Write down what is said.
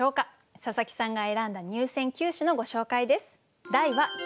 佐佐木さんが選んだ入選九首のご紹介です。